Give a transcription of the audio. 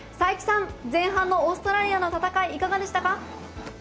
前半のオーストラリアの戦いいかがでしたか。